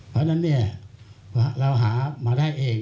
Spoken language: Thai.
เพราะฉะนั้นเราหามาได้เอง